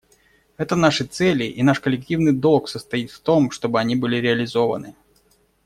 Это наши цели, и наш коллективный долг состоит в том, чтобы они были реализованы.